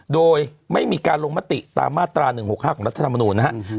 โดยไม่มีการลงมติตามมาตราหนึ่งหกห้าของรัฐธรรมนูนนะฮะอืมฮือ